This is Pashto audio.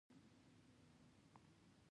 احمد خپل دوښمنان دڼيا کړل.